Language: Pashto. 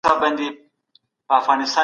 مشران چیري د مدني ټولني ملاتړ کوي؟